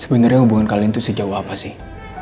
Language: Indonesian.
sebenernya hubungan kalian tuh sejauh apa sih